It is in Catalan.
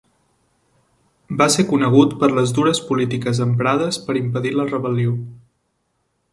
Va ser conegut per les dures polítiques emprades per impedir la rebel·lió.